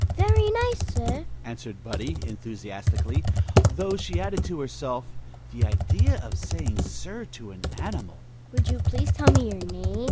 "Very nice, sir," answered Buddie, enthusiastically; though she added to herself: The idea of saying sir to an animal! "Would you please tell me your name?"